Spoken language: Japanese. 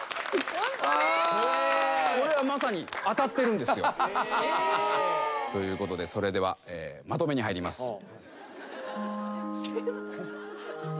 これはまさに当たってるんですよ。ということでそれではまとめに入ります。